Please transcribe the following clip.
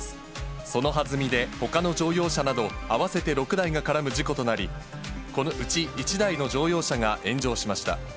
そのはずみでほかの乗用車など合わせて６台が絡む事故となり、うち１台の乗用車が炎上しました。